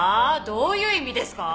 どういう意味ですか？